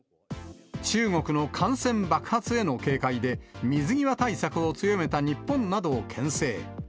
中国の感染爆発への警戒で、水際対策を強めた日本などをけん制。